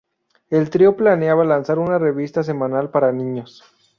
El trío planeaba lanzar una revista semanal para niños.